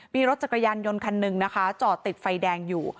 มีรถจักรยานยนต์คันหนึ่งนะคะจอดติดไฟแดงอยู่